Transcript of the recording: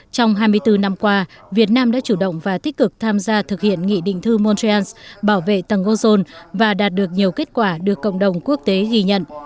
trong hai mươi bốn năm qua việt nam đã chủ động và tích cực tham gia thực hiện nghị định thư montreal bảo vệ tầng ozone và đạt được nhiều kết quả được cộng đồng quốc tế ghi nhận